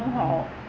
bên cạnh đó